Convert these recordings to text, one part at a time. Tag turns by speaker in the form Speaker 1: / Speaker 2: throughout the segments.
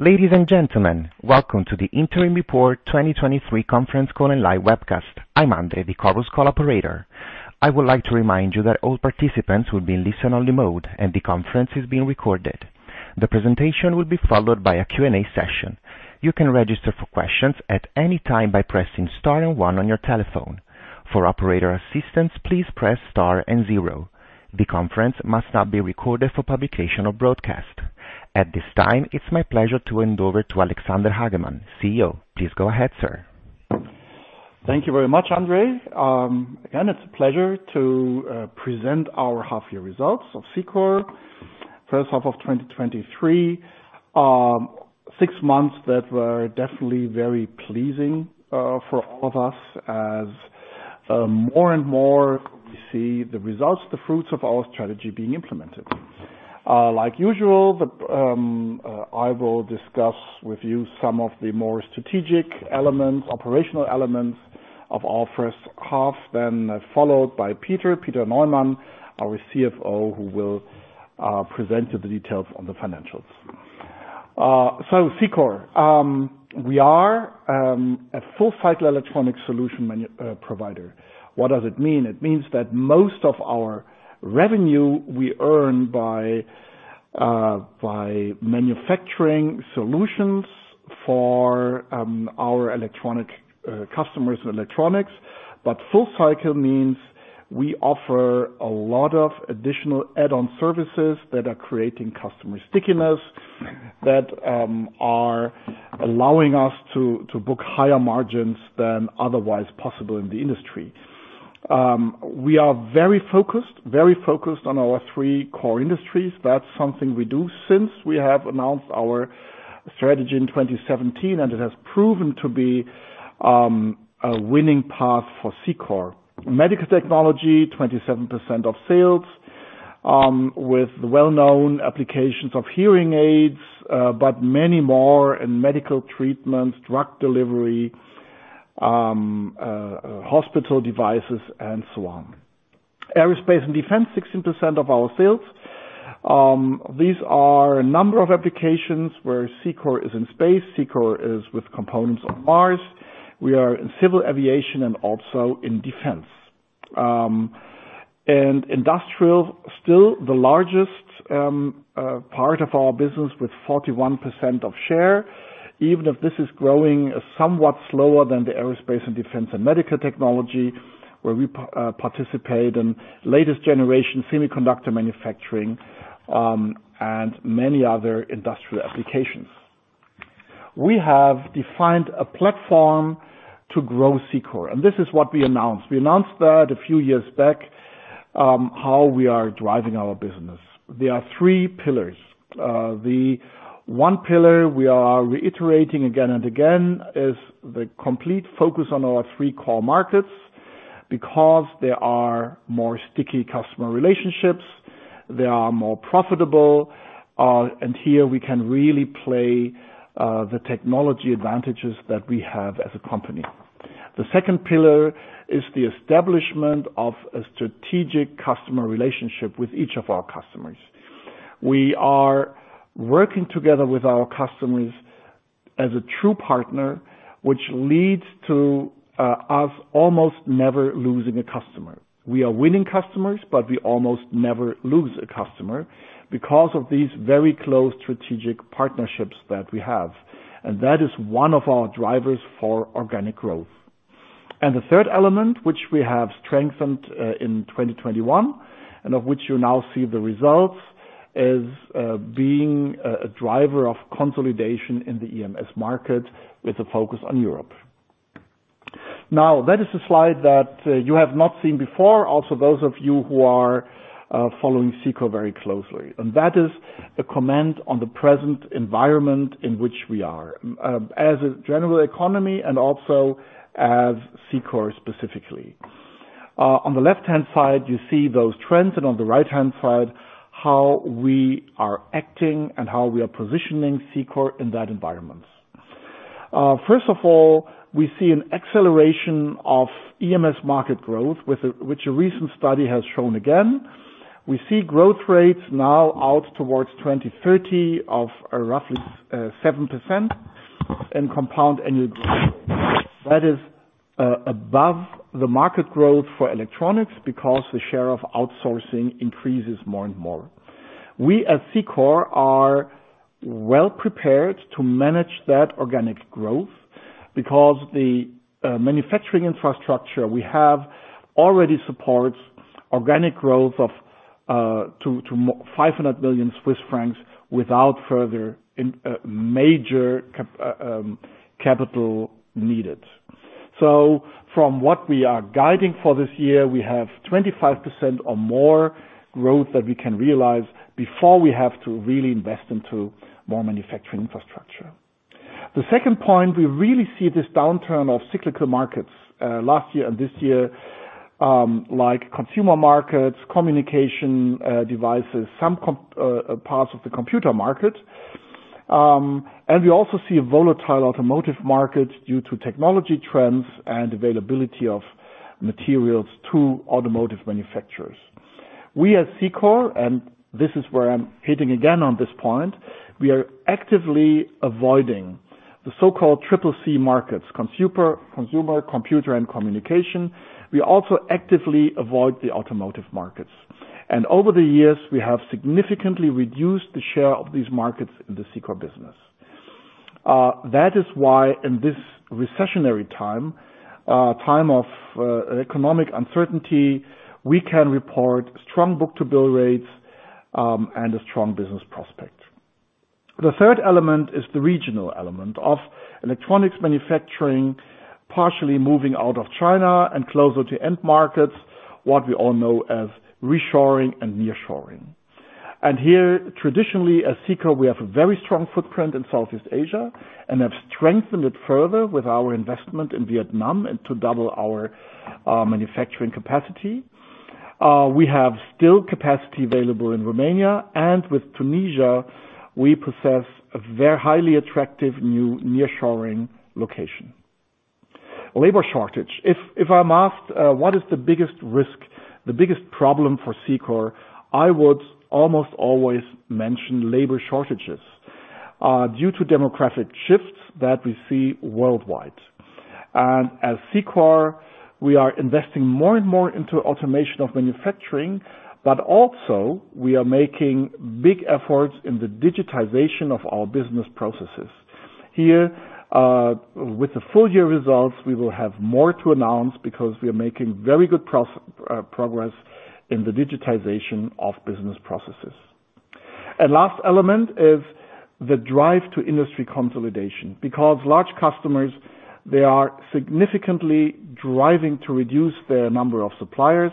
Speaker 1: Ladies and gentlemen, welcome to the Interim Report 2023 conference call and live webcast. I'm Andre, the Chorus Call operator. I would like to remind you that all participants will be in listen-only mode. The conference is being recorded. The presentation will be followed by a Q&A session. You can register for questions at any time by pressing star and one on your telephone. For operator assistance, please press star and zero. The conference must not be recorded for publication or broadcast. At this time, it's my pleasure to hand over to Alexander Hagemann, CEO. Please go ahead, sir.
Speaker 2: Thank you very much, Andre. Again, it's a pleasure to present our half-year results of Cicor Technologies Ltd First half of 2023, six months that were definitely very pleasing for all of us as more and more we see the results, the fruits of our strategy being implemented. Like usual, I will discuss with you some of the more strategic elements, operational elements of our first half, then followed by Peter Neumann, our CFO, who will present you the details on the financials. Cicor, we are a full cycle electronic solution provider. What does it mean? It means that most of our revenue we earn by manufacturing solutions for our electronic customers of electronics. Full cycle means we offer a lot of additional add-on services that are creating customer stickiness, that are allowing us to book higher margins than otherwise possible in the industry. We are very focused on our three core industries. That's something we do since we have announced our strategy in 2017, and it has proven to be a winning path for Cicor Technologies. Medical technology, 27% of sales, with well-known applications of hearing aids, but many more in medical treatment, drug delivery, hospital devices and so on. Aerospace and defense, 16% of our sales. These are a number of applications where Cicor Technologies is in space. Cicor Technologies is with components on Mars. We are in civil aviation and also in defense. Industrial, still the largest part of our business with 41% of share, even if this is growing somewhat slower than the aerospace and defense and medical technology, where we participate in latest generation semiconductor manufacturing, and many other industrial applications. We have defined a platform to grow Cicor, and this is what we announced. We announced that a few years back, how we are driving our business. There are three pillars. The one pillar we are reiterating again and again is the complete focus on our three core markets, because they are more sticky customer relationships, they are more profitable, and here we can really play the technology advantages that we have as a company. The second pillar is the establishment of a strategic customer relationship with each of our customers. We are working together with our customers as a true partner, which leads to us almost never losing a customer. We are winning customers, but we almost never lose a customer because of these very close strategic partnerships that we have, and that is one of our drivers for organic growth. The third element, which we have strengthened in 2021, and of which you now see the results, is being a driver of consolidation in the EMS market with a focus on Europe. That is a slide that you have not seen before, also those of you who are following Cicor very closely, and that is a comment on the present environment in which we are as a general economy and also as Cicor specifically. On the left-hand side, you see those trends, and on the right-hand side, how we are acting and how we are positioning Cicor in that environment. First of all, we see an acceleration of EMS market growth, which a recent study has shown again. We see growth rates now out towards 2030 of roughly 7% in compound annual growth. That is above the market growth for electronics because the share of outsourcing increases more and more. We, at Cicor, are well prepared to manage that organic growth because the manufacturing infrastructure we have already supports organic growth of 500 billion Swiss francs without further major capital needed. From what we are guiding for this year, we have 25% or more growth that we can realize before we have to really invest into more manufacturing infrastructure. The second point, we really see this downturn of cyclical markets, last year and this year, like consumer markets, communication devices, some parts of the computer market. We also see a volatile automotive market due to technology trends and availability of materials to automotive manufacturers. We at Cicor, and this is where I'm hitting again on this point, we are actively avoiding the so-called Tripple C-markets: consumer, computer, and communication. We also actively avoid the automotive markets. Over the years, we have significantly reduced the share of these markets in the Cicor business. That is why in this recessionary time of economic uncertainty, we can report strong book-to-bill rates, and a strong business prospect. The third element is the regional element of electronics manufacturing, partially moving out of China and closer to end markets, what we all know as reshoring and nearshoring. Here, traditionally, as Cicor, we have a very strong footprint in Southeast Asia and have strengthened it further with our investment in Vietnam, and to double our manufacturing capacity. We have still capacity available in Romania, and with Tunisia, we possess a very highly attractive new nearshoring location. Labor shortage. If I'm asked, what is the biggest risk, the biggest problem for Cicor, I would almost always mention labor shortages, due to demographic shifts that we see worldwide. As Cicor, we are investing more and more into automation of manufacturing, but also we are making big efforts in the digitization of our business processes. With the full year results, we will have more to announce because we are making very good progress in the digitization of business processes. Last element is the drive to industry consolidation, because large customers, they are significantly driving to reduce their number of suppliers,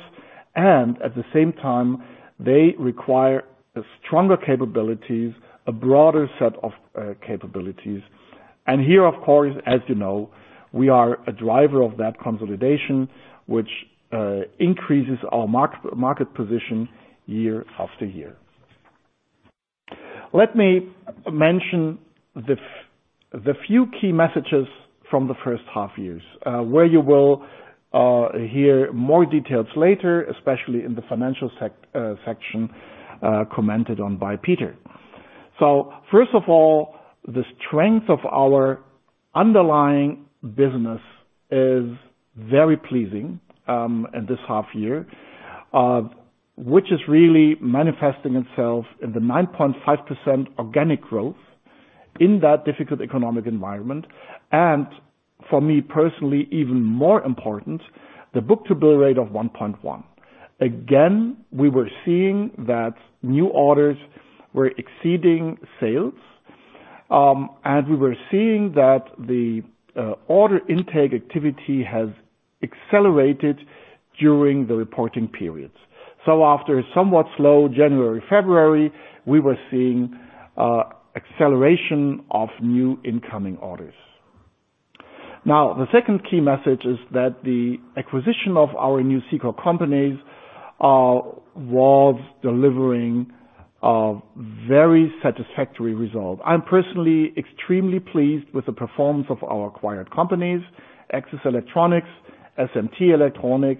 Speaker 2: and at the same time, they require a stronger capabilities, a broader set of capabilities. Here, of course, as you know, we are a driver of that consolidation, which increases our market position year-after-year. Let me mention the few key messages from the first half years, where you will hear more details later, especially in the financial section commented on by Peter. First of all, the strength of our underlying business is very pleasing in this half year, which is really manifesting itself in the 9.5% organic growth in that difficult economic environment. For me personally, even more important, the book-to-bill rate of 1.1%. Again, we were seeing that new orders were exceeding sales, and we were seeing that the order intake activity has accelerated during the reporting periods. After a somewhat slow January, February, we were seeing acceleration of new incoming orders. The second key message is that the acquisition of our new Cicor companies was delivering a very satisfactory result. I'm personally extremely pleased with the performance of our acquired companies, Axis Electronics, SMT Electronic,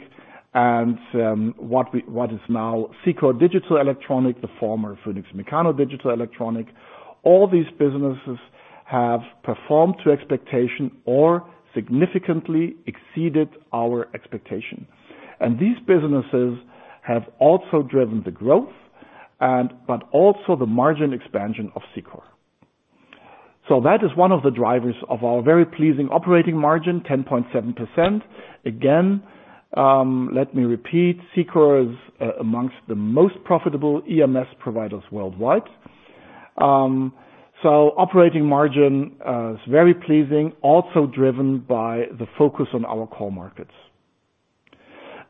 Speaker 2: and what is now Cicor Digital Electronic, the former Phoenix Mecano Digital Electronic. These businesses have also driven the growth and, but also the margin expansion of Cicor. That is one of the drivers of our very pleasing operating margin, 10.7%. Let me repeat, Cicor is amongst the most profitable EMS providers worldwide. Operating margin is very pleasing, also driven by the focus on our core markets.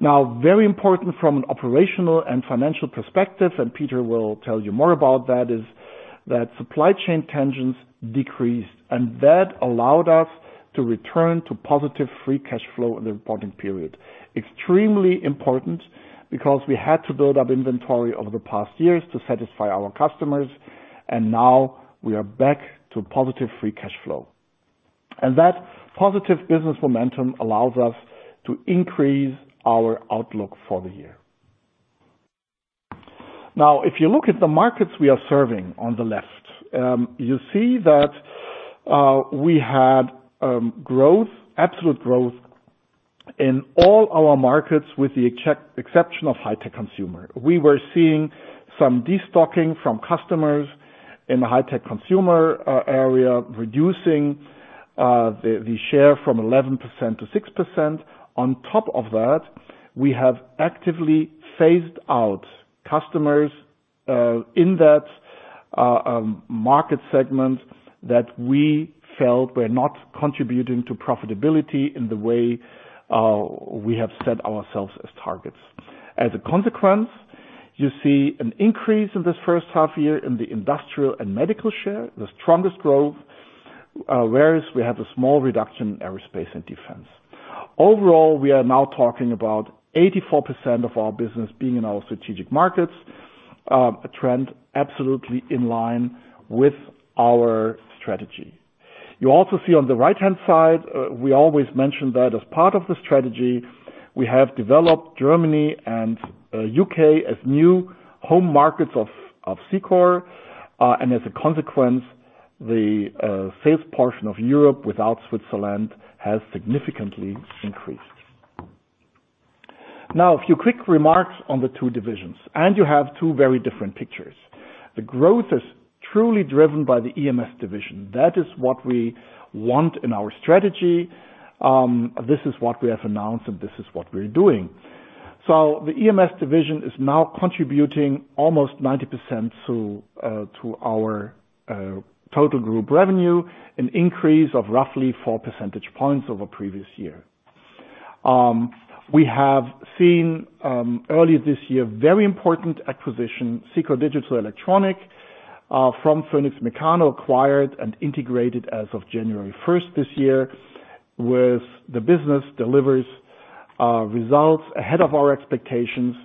Speaker 2: Very important from an operational and financial perspective, and Peter will tell you more about that, is that supply chain tensions decreased, and that allowed us to return to positive free cash flow in the reporting period. Extremely important, because we had to build up inventory over the past years to satisfy our customers, and now we are back to positive free cash flow. That positive business momentum allows us to increase our outlook for the year. If you look at the markets we are serving on the left, you see that we had growth, absolute growth, in all our markets, with the exception of high-tech consumer. We were seeing some destocking from customers in the high-tech consumer area, reducing the share from 11%-6%. On top of that, we have actively phased out customers in that market segment that we felt were not contributing to profitability in the way we have set ourselves as targets. As a consequence, you see an increase in this first half year in the industrial and medical share, the strongest growth, whereas we have a small reduction in aerospace and defense. Overall, we are now talking about 84% of our business being in our strategic markets, a trend absolutely in line with our strategy. You also see on the right-hand side, we always mention that as part of the strategy, we have developed Germany and U.K. as new home markets of Cicor. As a consequence, the sales portion of Europe without Switzerland has significantly increased. A few quick remarks on the two divisions, and you have two very different pictures. The growth is truly driven by the EMS division. That is what we want in our strategy. This is what we have announced, and this is what we're doing. The EMS division is now contributing almost 90% to our total group revenue, an increase of roughly 4 percentage points over previous year. We have seen early this year, very important acquisition, Cicor Digital Electronics from Phoenix Mecano, acquired and integrated as of January first this year, with the business delivers results ahead of our expectations,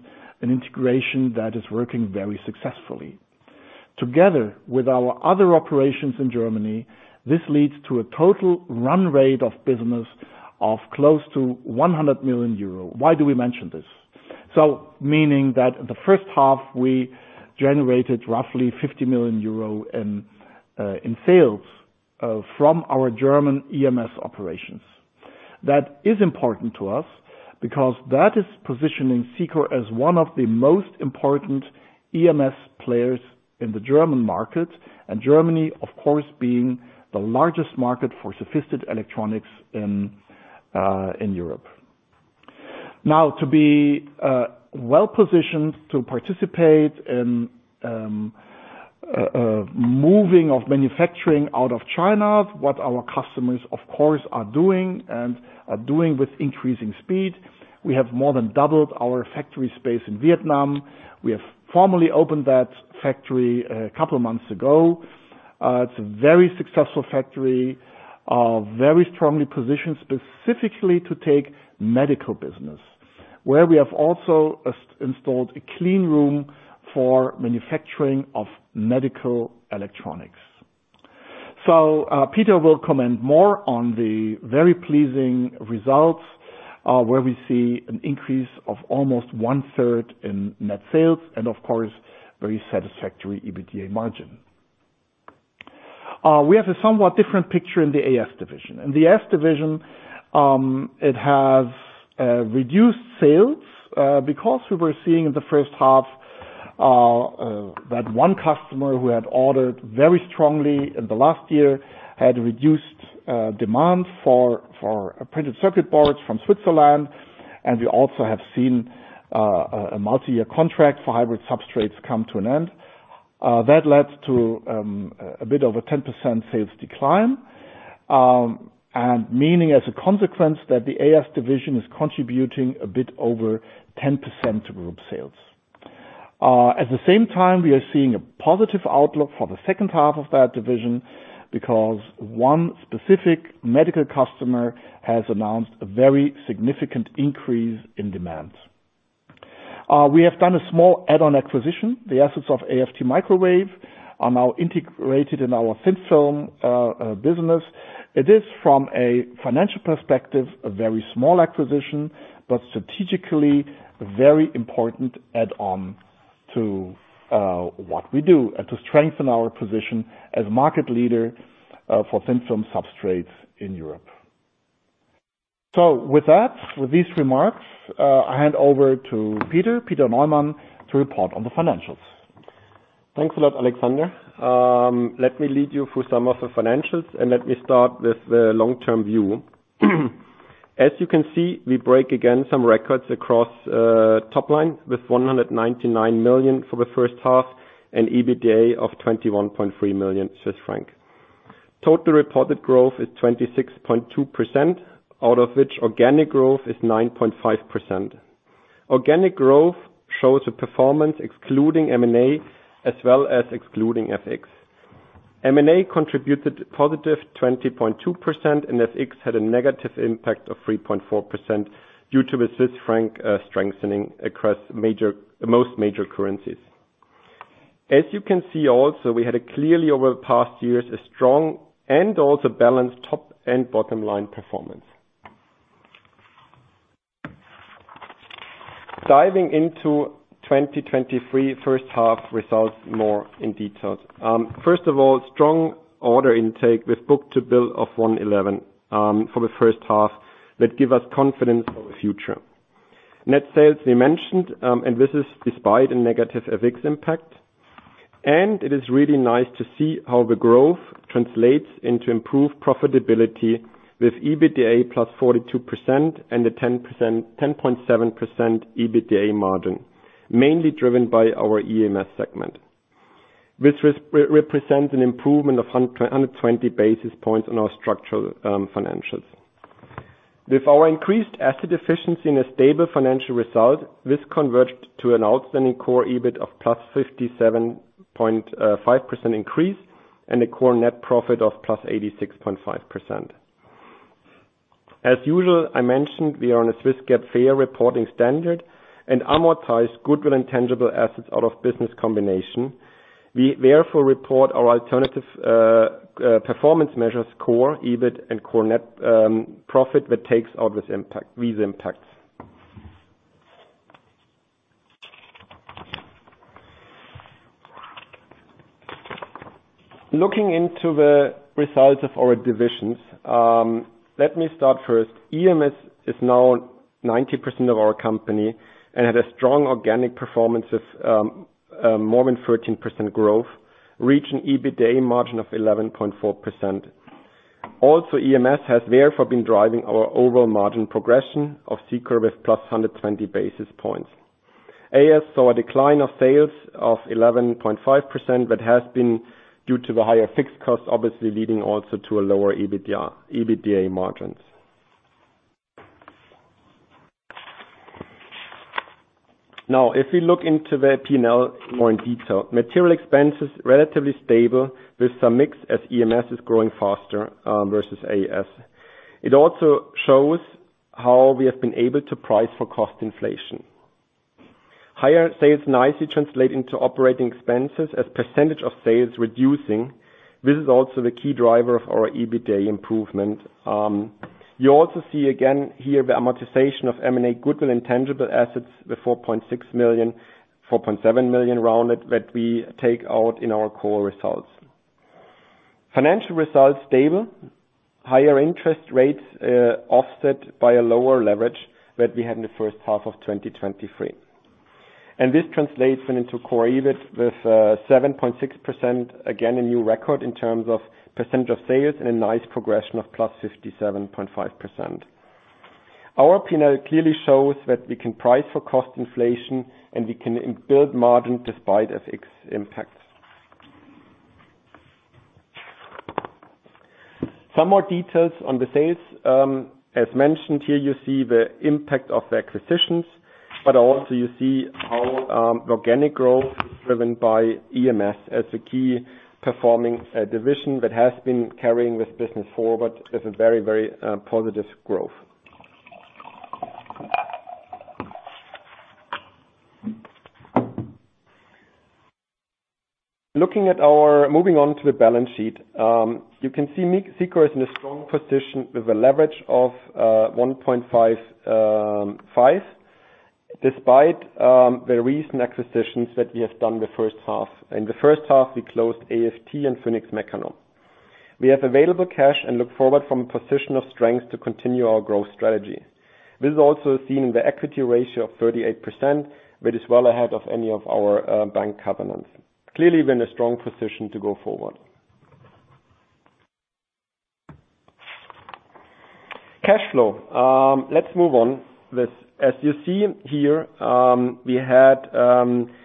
Speaker 2: an integration that is working very successfully. Together with our other operations in Germany, this leads to a total run rate of business of close to 100 million euro. Why do we mention this? Meaning that the first half, we generated roughly 50 million euro in sales from our German EMS operations. That is important to us because that is positioning Cicor as one of the most important EMS players in the German market, and Germany, of course, being the largest market for sophisticated electronics in Europe. To be well-positioned to participate in moving of manufacturing out of China, what our customers, of course, are doing and are doing with increasing speed. We have more than doubled our factory space in Vietnam. We have formally opened that factory a couple of months ago. It's a very successful factory, very strongly positioned specifically to take medical business, where we have also installed a cleanroom for manufacturing of medical electronics. Peter will comment more on the very pleasing results, where we see an increase of almost one-third in net sales and, of course, very satisfactory EBITDA margin. We have a somewhat different picture in the AS division. In the AS division, it has reduced sales, because we were seeing in the first half, that one customer who had ordered very strongly in the last year, had reduced demand for printed circuit boards from Switzerland, and we also have seen a multi-year contract for hybrid substrates come to an end. That led to a bit of a 10% sales decline, and meaning as a consequence, that the AS division is contributing a bit over 10% to group sales. At the same time, we are seeing a positive outlook for the second half of that division because one specific medical customer has announced a very significant increase in demand. We have done a small add-on acquisition. The assets of AFT Microwave are now integrated in our thin film business. It is, from a financial perspective, a very small acquisition, but strategically, very important add-on to what we do and to strengthen our position as market leader for thin film substrates in Europe. With that, with these remarks, I hand over to Peter Neumann, to report on the financials.
Speaker 3: Thanks a lot, Alexander. Let me lead you through some of the financials, and let me start with the long-term view. As you can see, we break again some records across top line with 199 million for the first half and EBITDA of 21.3 million Swiss franc. Total reported growth is 26.2%, out of which organic growth is 9.5%. Organic growth shows a performance excluding M&A, as well as excluding FX. M&A contributed positive 20.2%, and FX had a negative impact of 3.4% due to the Swiss franc strengthening across most major currencies. As you can see also, we had a clearly over the past years, a strong and also balanced top and bottom line performance. Diving into 2023 first half results, more in details. First of all, strong order intake with book-to-bill of 1.11% for the first half that give us confidence for the future. Net sales, we mentioned, and this is despite a negative FX impact, and it is really nice to see how the growth translates into improved profitability with EBITDA +42% and a 10.7% EBITDA margin, mainly driven by our EMS segment, which represents an improvement of 120 basis points on our structural financials. With our increased asset efficiency and a stable financial result, this converged to an outstanding core EBITDA of +57.5% increase and a core net profit of +86.5%. As usual, I mentioned we are on a Swiss GAAP FER Reporting Standard and amortize goodwill and tangible assets out of business combination. We therefore report our alternative performance measures, core EBIT and core net profit that takes all this impact, these impacts. Looking into the results of our divisions, let me start first. EMS is now 90% of our company and had a strong organic performance of more than 13% growth, reaching EBITDA margin of 11.4%. EMS has therefore been driving our overall margin progression of Cicor with +120 basis points. AS saw a decline of sales of 11.5%, but has been due to the higher fixed cost, obviously leading also to a lower EBITDA margins. If we look into the P&L more in detail, material expenses, relatively stable, with some mix, as EMS is growing faster versus AS. It also shows how we have been able to price for cost inflation. Higher sales nicely translate into operating expenses as % of sales reducing. This is also the key driver of our EBITDA improvement. You also see again here, the amortization of M&A goodwill, intangible assets, the 4.6 million, 4.7 million rounded, that we take out in our core results. Financial results, stable. Higher interest rates, offset by a lower leverage that we had in the first half of 2023. This translates then into core EBIT with 7.6%, again, a new record in terms of % of sales and a nice progression of +57.5%. Our P&L clearly shows that we can price for cost inflation, and we can build margin despite FX impacts. Some more details on the sales. As mentioned here, you see the impact of the acquisitions, but also you see how organic growth is driven by EMS as a key performing division that has been carrying this business forward with a very positive growth. Moving on to the balance sheet, you can see Cicor is in a strong position with a leverage of 1.55x, despite the recent acquisitions that we have done the first half. In the first half, we closed AFT and Phoenix Mecano. We have available cash and look forward from a position of strength to continue our growth strategy. This is also seen in the equity ratio of 38%, that is well ahead of any of our bank covenants. Clearly, we're in a strong position to go forward. Cash flow. Let's move on. With, as you see here, we had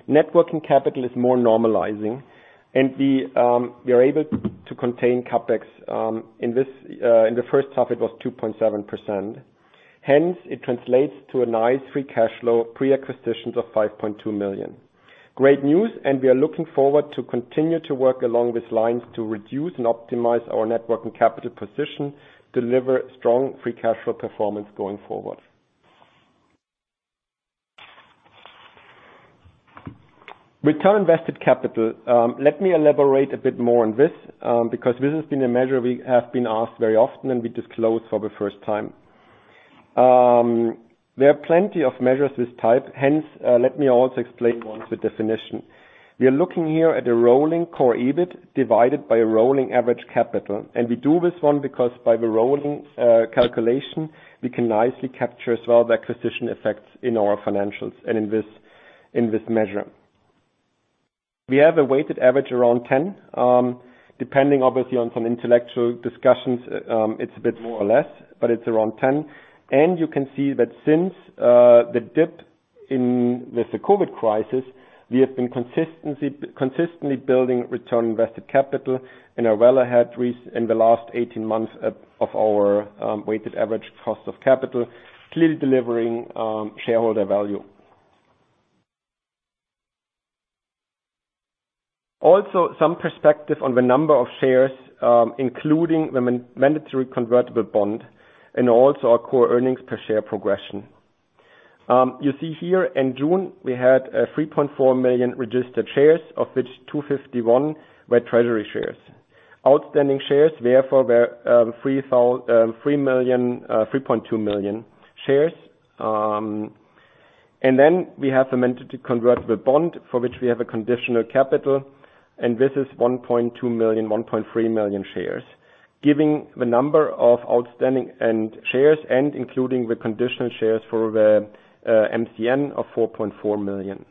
Speaker 3: net working capital is more normalizing, and we are able to contain CapEx in this in the first half, it was 2.7%. Hence, it translates to a nice free cash flow, pre-acquisitions of 5.2 million. Great news, we are looking forward to continue to work along these lines to reduce and optimize our net working capital position, deliver strong free cash flow performance going forward. Return invested capital, let me elaborate a bit more on this, because this has been a measure we have been asked very often, and we disclose for the first time. There are plenty of measures this type, hence, let me also explain on the definition. We are looking here at a rolling core EBIT divided by a rolling average capital, and we do this one because by the rolling calculation, we can nicely capture as well, the acquisition effects in our financials and in this, in this measure. We have a weighted average around 10, depending obviously on some intellectual discussions, it's a bit more or less, but it's around 10. You can see that since the dip in, with the COVID crisis, we have been consistently building return on invested capital, and are well ahead in the last 18 months of our weighted average cost of capital, clearly delivering shareholder value. Also, some perspective on the number of shares, including the mandatory convertible bond and also our core earnings per share progression. You see here in June, we had 3.4 million registered shares, of which 251 were treasury shares. Outstanding shares, therefore, were 3.2 million shares. Then we have the mandatory convertible bond, for which we have a conditional capital, and this is 1.2 million, 1.3 million shares. Giving the number of outstanding end shares and including the conditional shares for the MCN of 4.4 million.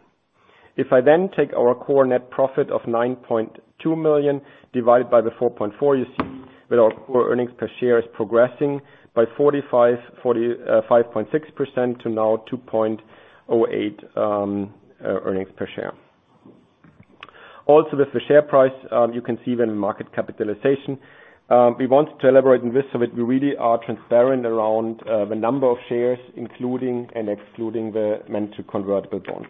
Speaker 3: I then take our core net profit of 9.2 million, divided by the four point four, you see that our core earnings per share is progressing by 45.6% to now 2.08 earnings per share. With the share price, you can see the market capitalization. We want to elaborate on this, so that we really are transparent around the number of shares, including and excluding the mandatory convertible bond.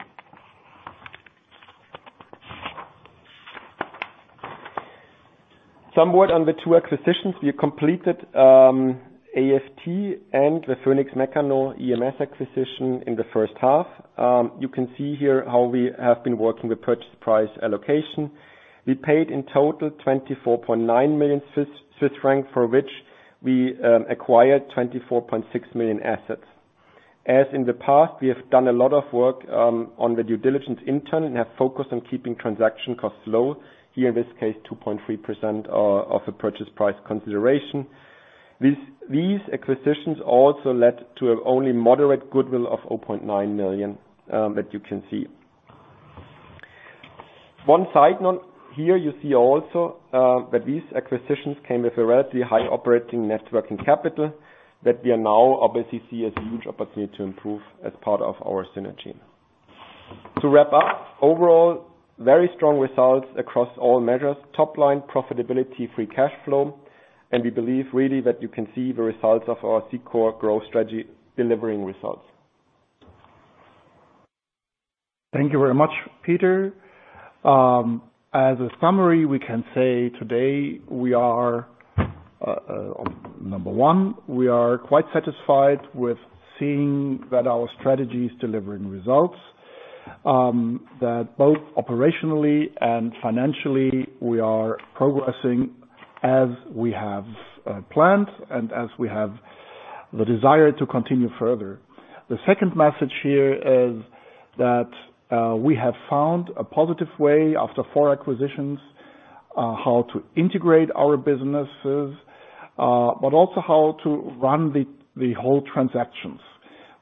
Speaker 3: On the two acquisitions, we completed AFT and the Phoenix Mecano EMS acquisition in the first half. You can see here how we have been working the purchase price allocation. We paid in total 24.9 million Swiss franc, for which we acquired 24.6 million assets. As in the past, we have done a lot of work on the due diligence intern and have focused on keeping transaction costs low. Here, in this case, 2.3% of the purchase price consideration. These acquisitions also led to an only moderate goodwill of 0.9 million that you can see. One side note, here you see also that these acquisitions came with a relatively high operating net working capital, that we are now obviously see as huge opportunity to improve as part of our synergy. To wrap up, overall, very strong results across all measures: top line, profitability, free cash flow, and we believe really that you can see the results of our Cicor growth strategy delivering results.
Speaker 2: Thank you very much, Peter. As a summary, we can say today, we are number one, we are quite satisfied with seeing that our strategy is delivering results. That both operationally and financially, we are progressing as we have planned and as we have the desire to continue further. The second message here is that we have found a positive way, after four acquisitions, how to integrate our businesses, but also how to run the whole transactions.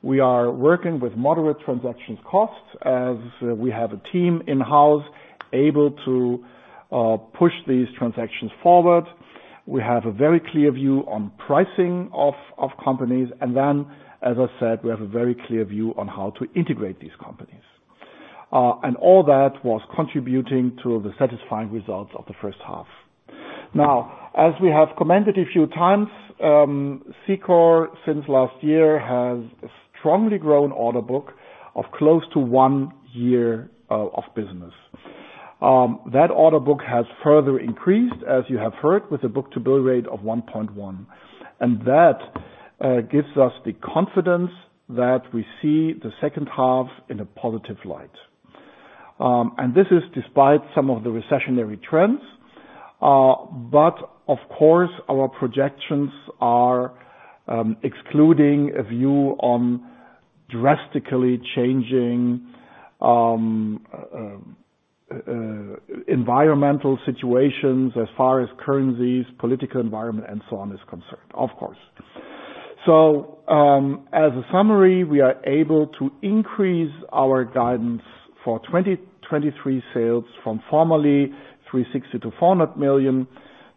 Speaker 2: We are working with moderate transaction costs as we have a team in-house able to push these transactions forward. We have a very clear view on pricing of companies, and then, as I said, we have a very clear view on how to integrate these companies. All that was contributing to the satisfying results of the first half. Now, as we have commented a few times, Cicor, since last year, has a strongly grown order book of close to one year of business. That order book has further increased, as you have heard, with a book-to-bill rate of 1.1%. That gives us the confidence that we see the second half in a positive light. This is despite some of the recessionary trends, but of course, our projections are excluding a view on drastically changing environmental situations as far as currencies, political environment, and so on is concerned, of course. As a summary, we are able to increase our guidance for 2023 sales from formerly 360 million-400 million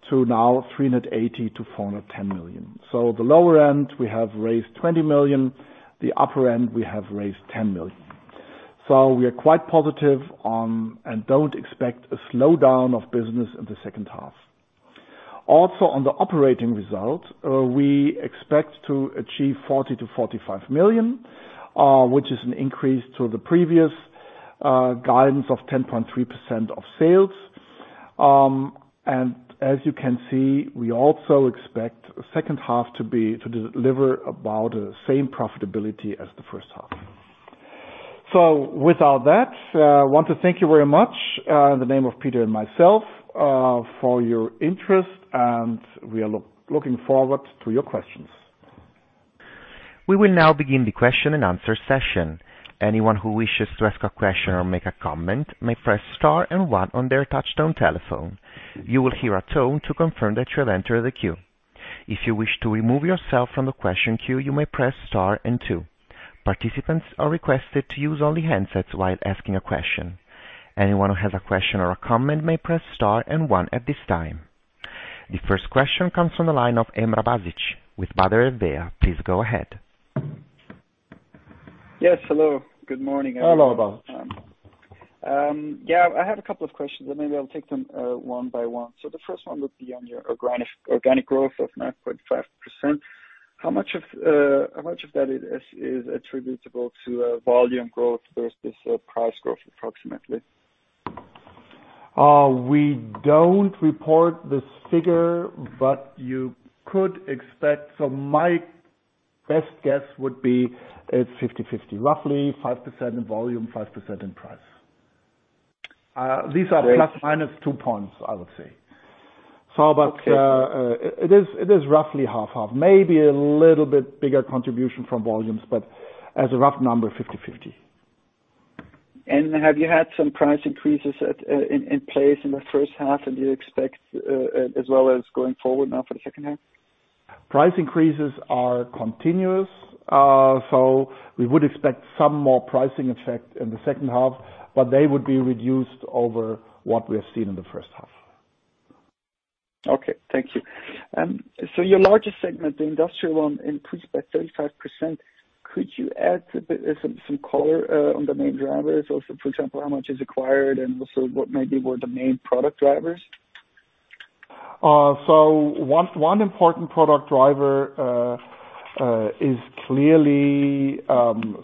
Speaker 2: to now 380 million-410 million. The lower end, we have raised 20 million, the upper end, we have raised 10 million. We are quite positive and don't expect a slowdown of business in the second half. On the operating results, we expect to achieve 40 million-45 million, which is an increase to the previous guidance of 10.3% of sales. As you can see, we also expect the second half to deliver about the same profitability as the first half. With all that, I want to thank you very much in the name of Peter and myself for your interest, and we are looking forward to your questions.
Speaker 1: We will now begin the question and answer session. Anyone who wishes to ask a question or make a comment, may press Star and One on their touchtone telephone. You will hear a tone to confirm that you have entered the queue. If you wish to remove yourself from the question queue, you may press Star and Two. Participants are requested to use only handsets while asking a question. Anyone who has a question or a comment may press Star and One at this time. The first question comes from the line of René Rückert with Baader Bank. Please go ahead.
Speaker 4: Yes, hello. Good morning, everyone.
Speaker 2: Hello, Rückert.
Speaker 4: Yeah, I have a couple of questions, and maybe I'll take them one by one. The first one would be on your organic growth of 9.5%. How much of that is attributable to volume growth versus price growth, approximately?
Speaker 2: We don't report this figure. You could expect. My best guess would be it's 50/50, roughly 5% in volume, 5% in price.
Speaker 4: Great.
Speaker 2: plus, minus 2 points, I would say.
Speaker 4: Okay.
Speaker 2: It is roughly 50/50, maybe a little bit bigger contribution from volumes, but as a rough number, 50/50.
Speaker 4: Have you had some price increases at, in place in the first half, and do you expect, as well as going forward now for the second half?
Speaker 2: Price increases are continuous, so we would expect some more pricing effect in the second half, but they would be reduced over what we have seen in the first half.
Speaker 4: Okay, thank you. Your largest segment, the industrial one, increased by 35%. Could you add a bit, some color, on the main drivers? Also, for example, how much is acquired and also what maybe were the main product drivers?
Speaker 2: One important product driver is clearly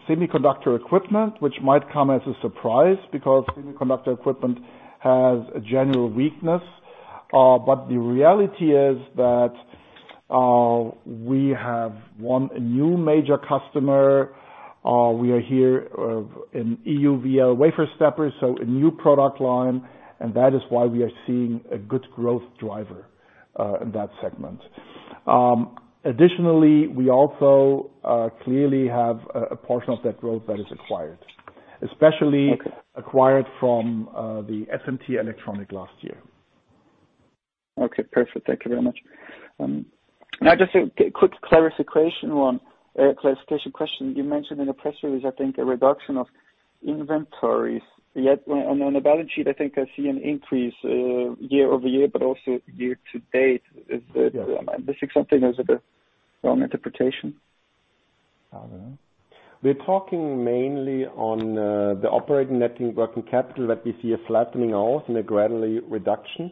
Speaker 2: semiconductor equipment, which might come as a surprise, because semiconductor equipment has a general weakness. The reality is that we have won a new major customer. We are here in EUV wafer stepper, a new product line, that is why we are seeing a good growth driver in that segment. Additionally, we also clearly have a portion of that growth that is acquired. Especially acquired from the SMT Electronic last year.
Speaker 4: Okay, perfect. Thank you very much. Now just a quick clarification one clarification question. You mentioned in the press release, I think, a reduction of inventories, yet on the balance sheet, I think I see an increase, year-over-year, but also year-to-date. Is that-
Speaker 2: Yes.
Speaker 4: Am I missing something? Is it a wrong interpretation?
Speaker 3: We're talking mainly on the operating net working capital, that we see a flattening out and a gradually reduction.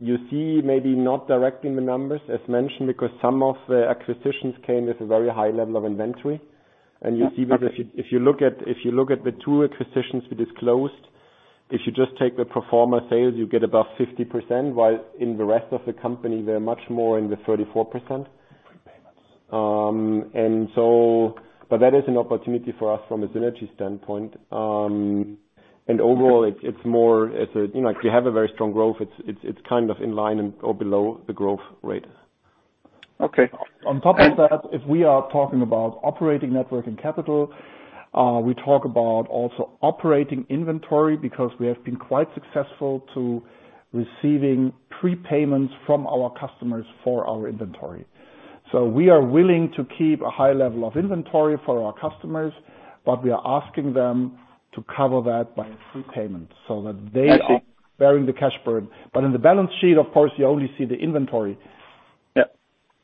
Speaker 3: You see maybe not directly in the numbers as mentioned, because some of the acquisitions came with a very high level of inventory.
Speaker 4: Okay.
Speaker 3: You see that if you look at the two acquisitions we disclosed, if you just take the pro forma sales, you get above 50%, while in the rest of the company, they're much more in the 34%.
Speaker 2: Prepayments.
Speaker 3: That is an opportunity for us from a synergy standpoint. Overall, it's more as a, you know, we have a very strong growth, it's kind of in line and or below the growth rate.
Speaker 4: Okay.
Speaker 2: If we are talking about operating net working capital, we talk about also operating inventory, because we have been quite successful to receiving prepayments from our customers for our inventory. We are willing to keep a high level of inventory for our customers. We are asking them to cover that by prepayment.
Speaker 4: I see.
Speaker 2: Bearing the cash burn. In the balance sheet, of course, you only see the inventory.
Speaker 4: Yeah.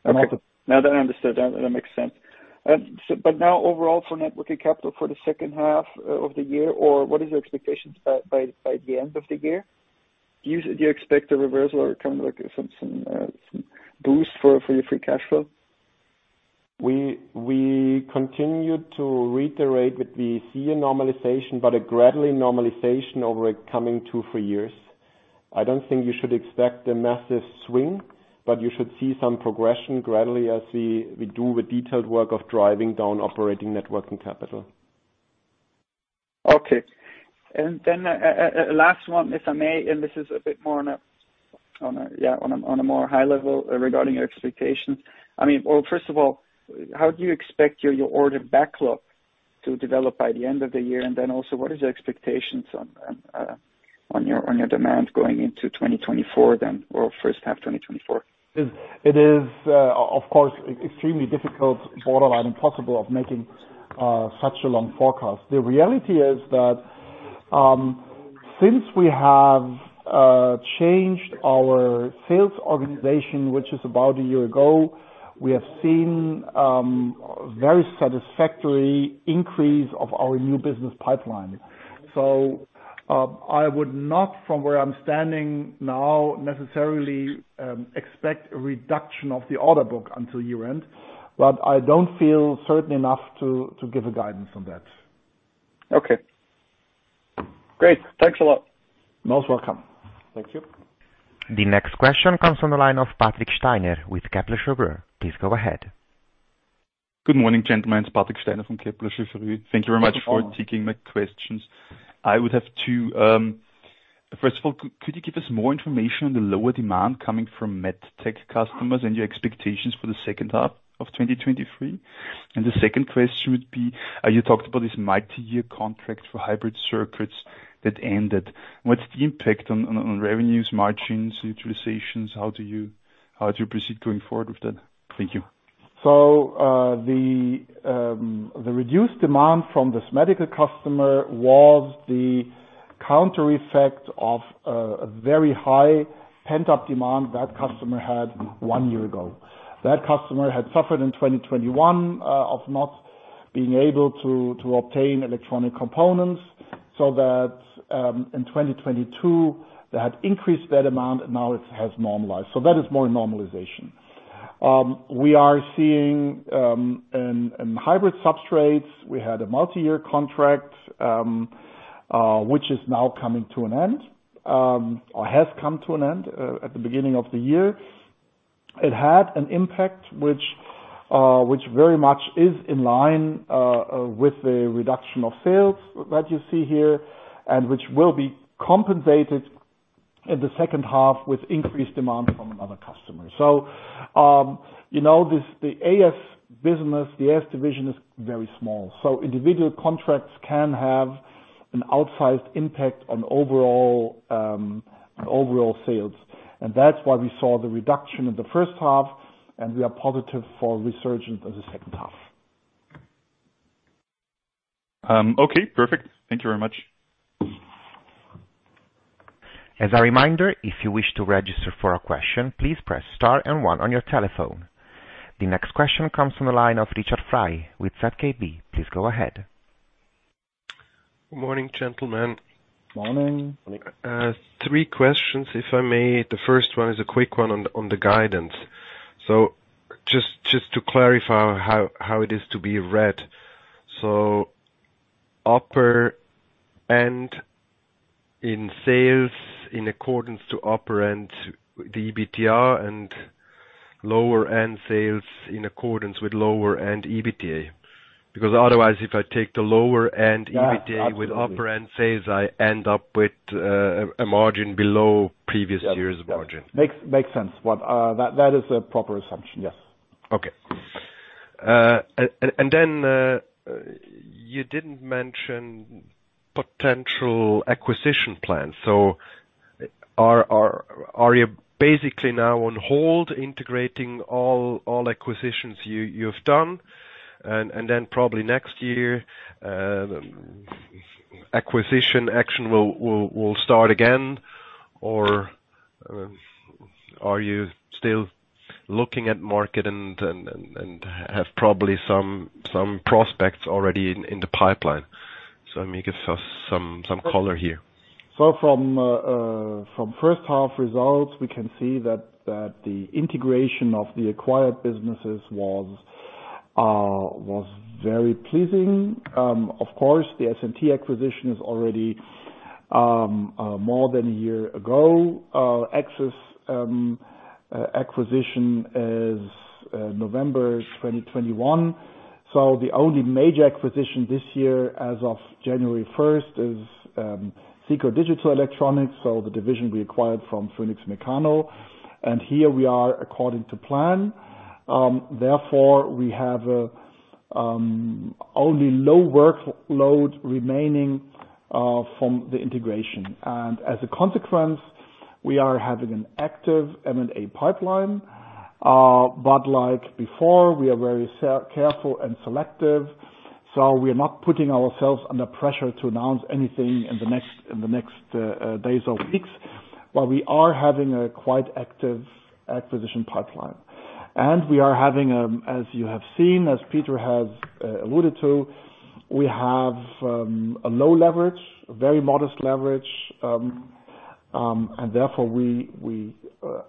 Speaker 4: Okay. Now, that I understand. That makes sense. Now overall for net working capital for the second half of the year, or what is your expectations by the end of the year? Do you expect a reversal or kind of like some boost for your free cash flow?
Speaker 3: We continue to reiterate that we see a normalization, but a gradually normalization over a coming two-four years. I don't think you should expect a massive swing, but you should see some progression gradually as we do the detailed work of driving down operating net working capital.
Speaker 4: Okay. Last one, if I may, this is a bit more on a, yeah, on a more high level regarding your expectations. I mean, well, first of all, how do you expect your order backlog to develop by the end of the year? Also, what is your expectations on your demand going into 2024 then, or first half 2024?
Speaker 2: It is, of course, extremely difficult, borderline impossible, of making such a long forecast. The reality is that since we have changed our sales organization, which is about a year ago, we have seen very satisfactory increase of our new business pipeline. I would not, from where I'm standing now, necessarily expect a reduction of the order book until year-end, but I don't feel certain enough to give a guidance on that.
Speaker 4: Okay. Great. Thanks a lot.
Speaker 2: Most welcome.
Speaker 3: Thank you.
Speaker 1: The next question comes from the line of Patrick Steiner with Kepler Cheuvreux. Please go ahead.
Speaker 5: Good morning, gentlemen. It's Patrick Steiner from Kepler Cheuvreux.
Speaker 2: Welcome.
Speaker 5: Thank you very much for taking my questions. I would have two. First of all, could you give us more information on the lower demand coming from med tech customers and your expectations for the second half of 2023? The second question would be, you talked about this multi-year contract for hybrid circuits that ended. What's the impact on revenues, margins, utilizations? How do you proceed going forward with that? Thank you.
Speaker 2: The reduced demand from this medical customer was the counter effect of a very high pent-up demand that customer had one year ago. That customer had suffered in 2021 of not being able to obtain electronic components, so that in 2022, they had increased that amount, and now it has normalized. That is more normalization. We are seeing in hybrid substrates, we had a multi-year contract which is now coming to an end or has come to an end at the beginning of the year. It had an impact which very much is in line with the reduction of sales that you see here, and which will be compensated in the second half with increased demand from another customer. You know, this, the AS business, the AS division is very small, so individual contracts can have an outsized impact on overall sales. That's why we saw the reduction in the first half, and we are positive for resurgent in the second half.
Speaker 5: Okay, perfect. Thank you very much.
Speaker 1: As a reminder, if you wish to register for a question, please press star and One on your telephone. The next question comes from the line of Richard Frei with ZKB. Please go ahead.
Speaker 6: Good morning, gentlemen.
Speaker 2: Morning.
Speaker 6: Three questions, if I may. The first one is a quick one on the guidance. Just to clarify how it is to be read. Upper end in sales, in accordance to upper end, the EBITDA and lower end sales in accordance with lower end EBITDA. Otherwise, if I take the lower end EBITDA-
Speaker 2: Yeah, absolutely.
Speaker 6: -with upper end sales, I end up with a margin below previous years' margin.
Speaker 2: Makes sense. What, that is a proper assumption, yes.
Speaker 6: Okay. Then, you didn't mention potential acquisition plans. Are you basically now on hold, integrating all acquisitions you've done? Then probably next year, acquisition action will start again? Or, are you still looking at market and have probably some prospects already in the pipeline? I mean, give us some color here.
Speaker 2: From 1st half results, we can see that the integration of the acquired businesses was very pleasing. Of course, the SMT acquisition is already more than a year ago. Axis acquisition is November 2021. The only major acquisition this year, as of January 1st, is Cicor Digital Electronics, the division we acquired from Phoenix Mecano. Here we are according to plan. Therefore, we have only low workload remaining from the integration. As a consequence, we are having an active M&A pipeline. Like before, we are very careful and selective, we are not putting ourselves under pressure to announce anything in the next days or weeks, we are having a quite active acquisition pipeline. We are having, as you have seen, as Peter has alluded to, we have a low leverage, a very modest leverage. Therefore, we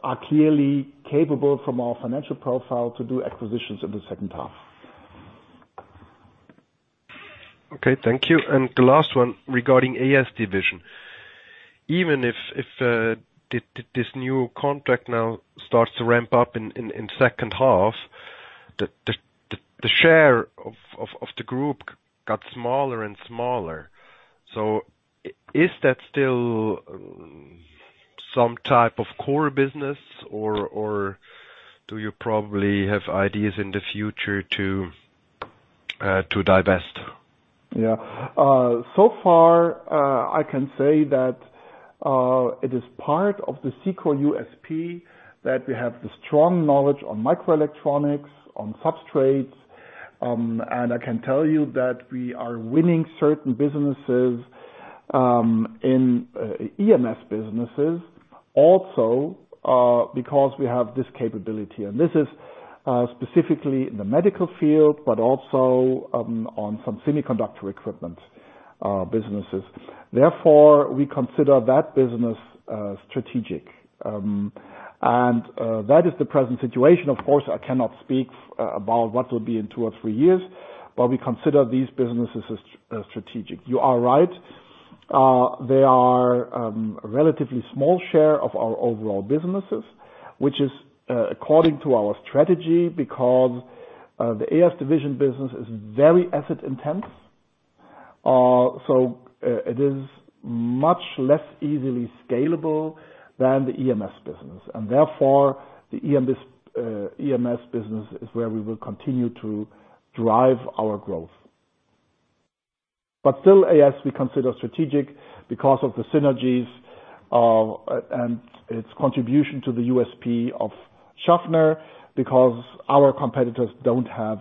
Speaker 2: are clearly capable from our financial profile to do acquisitions in the second half.
Speaker 6: Okay, thank you. The last one regarding AS division. Even if this new contract now starts to ramp up in second half, the share of the group got smaller and smaller. Is that still some type of core business, or do you probably have ideas in the future to divest?
Speaker 2: So far, I can say that it is part of the Cicor USP, that we have the strong knowledge on microelectronics, on substrates. I can tell you that we are winning certain businesses in EMS businesses, also, because we have this capability. This is specifically in the medical field, but also on some semiconductor equipment businesses. We consider that business strategic. That is the present situation. I cannot speak about what will be in two or three years, but we consider these businesses as strategic. They are a relatively small share of our overall businesses, which is according to our strategy, because the AS division business is very asset intense. It is much less easily scalable than the EMS business, therefore, the EMS business is where we will continue to drive our growth. Still, AS, we consider strategic because of the synergies, and its contribution to the USP of Schaffner, because our competitors don't have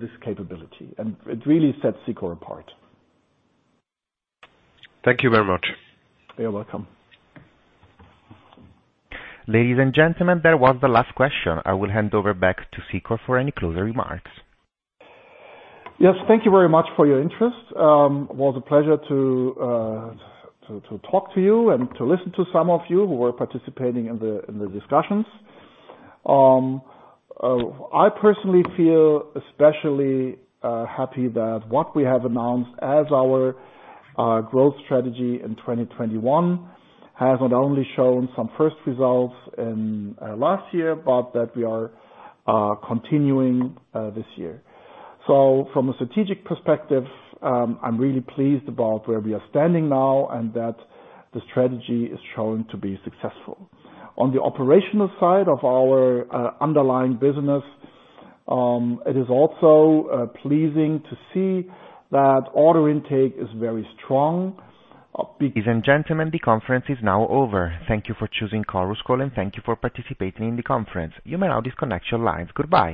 Speaker 2: this capability, and it really sets Cicor apart.
Speaker 6: Thank you very much.
Speaker 2: You're welcome.
Speaker 1: Ladies and gentlemen, that was the last question. I will hand over back to Cicor for any closing remarks.
Speaker 2: Yes, thank you very much for your interest. It was a pleasure to talk to you and to listen to some of you who were participating in the discussions. I personally feel especially happy that what we have announced as our growth strategy in 2021, has not only shown some first results last year, but that we are continuing this year. From a strategic perspective, I'm really pleased about where we are standing now, and that the strategy is showing to be successful. On the operational side of our underlying business, it is also pleasing to see that order intake is very strong.
Speaker 1: Ladies and gentlemen, the conference is now over. Thank you for choosing Chorus Call, and thank you for participating in the conference. You may now disconnect your lines. Goodbye.